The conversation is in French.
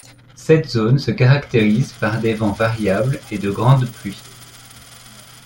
Cette zone se caractérise par des vents variables et de grandes pluies.